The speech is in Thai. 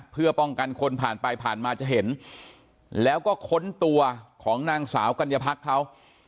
เพื่อป้องกันคนผ่านไปผ่านมาจะเห็นแล้วก็ค้นตัวของนางสาวกัญญาพักเขา